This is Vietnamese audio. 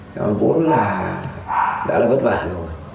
nó vốn là đã là vất vả rồi